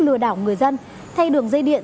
lừa đảo người dân thay đường dây điện